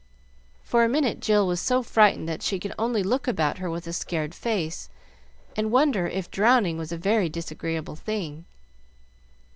For a minute, Jill was so frightened that she could only look about her with a scared face, and wonder if drowning was a very disagreeable thing.